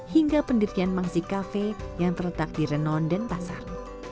hingga pendirian mangsi kafe yang terletak di renon dan pasar